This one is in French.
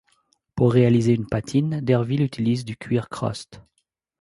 Pour réaliser une patine, Derville utilise du cuir crust.